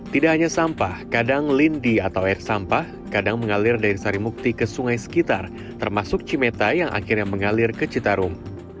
tidak hanya sampah kadang lindi atau air sampah kadang mengalir dari sarimukti ke sungai sekitar termasuk cimeta yang akhirnya mengalir ke citarum